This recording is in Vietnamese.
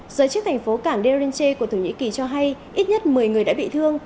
giới chức thành phố cảng derinche của thổ nhĩ kỳ cho hay ít nhất một mươi người đã bị thương